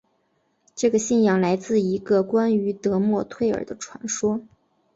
这个信仰来自一个关于得墨忒耳的传说。